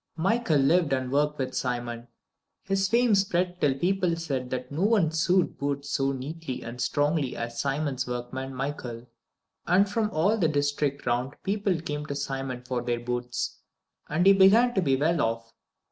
Michael lived and worked with Simon. His fame spread till people said that no one sewed boots so neatly and strongly as Simon's workman, Michael; and from all the district round people came to Simon for their boots, and he began to be well off.